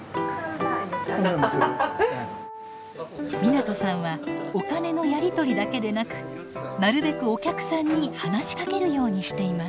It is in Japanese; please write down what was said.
湊さんはお金のやり取りだけでなくなるべくお客さんに話しかけるようにしています。